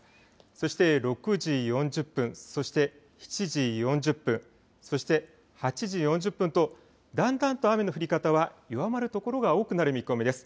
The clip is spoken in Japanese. そして、６時４０分、そして７時４０分そして８時４０分とだんだんと雨の降り方は弱まるところが多くなる見込みです。